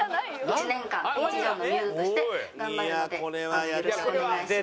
１年間ピーチ・ジョンのミューズとして頑張るのでよろしくお願いします。